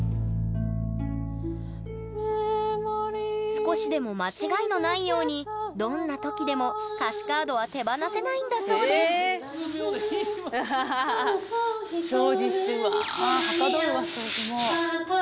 少しでも間違いのないようにどんな時でも歌詞カードは手放せないんだそうです掃除してわあはかどるわ掃除も。